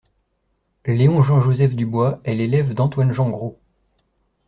Léon-Jean-Joseph Dubois est l'élève d'Antoine-Jean Gros.